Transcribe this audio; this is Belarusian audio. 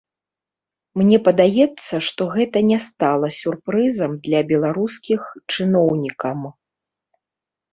Мне падаецца, што гэта не стала сюрпрызам для беларускіх чыноўнікам.